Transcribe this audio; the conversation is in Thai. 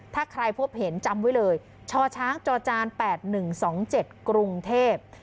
ถ้าใครพบเห็นจำไว้เลยชช๘๑๒๗กรุงเทพฯ